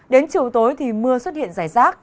đến chiều tối thì mưa xuất hiện rải rác